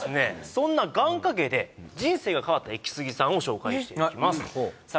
そんな願掛けで人生が変わったイキスギさんを紹介していきますさあ